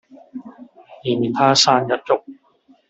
以免它生入肉